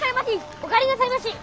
お帰りなさいまし！